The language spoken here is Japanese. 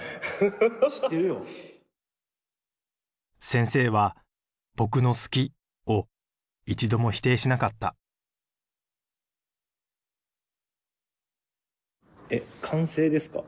先生は僕の「好き」を一度も否定しなかったえ完成ですか？